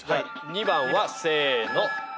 ２番はせーの。